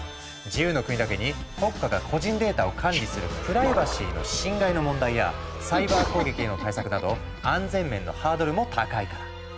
自由の国だけに国家が個人データを管理するプライバシーの侵害の問題やサイバー攻撃への対策など安全面のハードルも高いから。